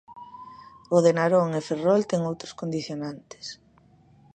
O de Narón e Ferrol ten outros condicionantes.